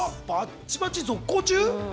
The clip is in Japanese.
バッチバチ続行中？